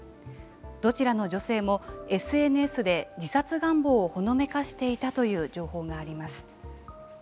どちらの女性もＳＮＳで自殺願望をほのめかしていたという情報があります。